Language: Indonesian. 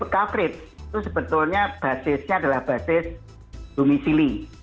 coverage itu sebetulnya basisnya adalah basis dumisili